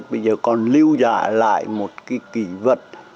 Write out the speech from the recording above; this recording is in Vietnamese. bây giờ còn lưu giả lại một cái kỷ vật